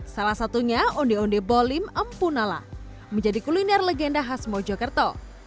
salah satunya onde onde bolim empunala menjadi kuliner legenda khas mojokerto